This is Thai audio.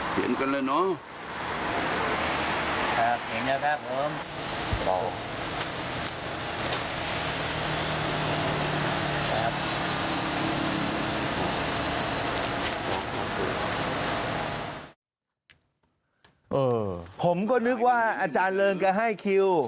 ผมก็นึกว่าอาจารย์เริงแกให้คิว